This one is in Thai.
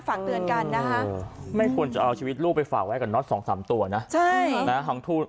ฝากเตือนกันนะคะไม่ควรจะเอาชีวิตลูกไปฝากไว้กับน็อต๒๓ตัวนะ